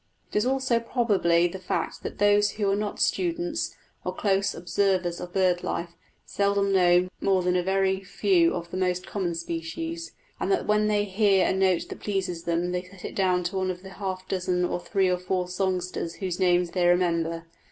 It is also probably the fact that those who are not students, or close observers of bird life, seldom know more than a very few of the most common species; and that when they hear a note that pleases them they set it down to one of the half dozen or three or four songsters whose names they remember.